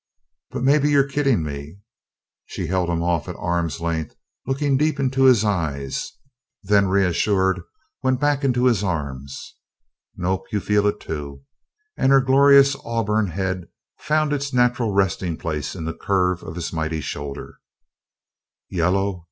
but maybe you're kidding me?" she held him off at arm's length, looking deep into his eyes: then, reassured, went back into his arms. "Nope, you feel it, too," and her glorious auburn head found its natural resting place in the curve of his mighty shoulder. "Yellow!...